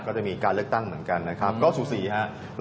ก็จะมีการเลือกตั้งเหมือนกันนะครับก็สูสีครับ